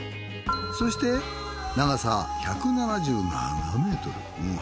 そして長さ１７７ｍ幅７８ｍ